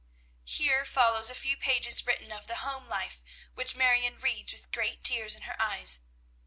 Here follows a few pages written of the home life, which Marion reads with great tears in her eyes.